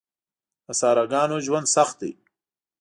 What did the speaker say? د صحراګانو ژوند سخت دی.